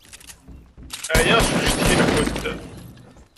Ɛyiɣ seg ucetki-nkent.